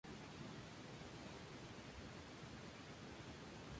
Toca en el estadio de Real Madrid, y en discotecas de Valencia y Pamplona.